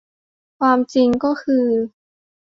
ความจริงก็คือ